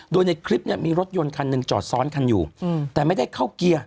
โดยในคลิปเนี่ยมีรถยนต์คันหนึ่งจอดซ้อนคันอยู่แต่ไม่ได้เข้าเกียร์